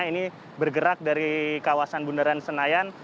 ini bergerak dari kawasan bundaran senayan